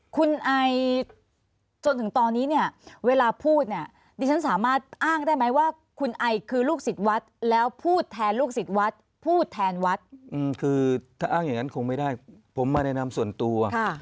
คือถ้าอ้างอย่างนั้นคงไม่ได้ผมมาแนะนำส่วนตัว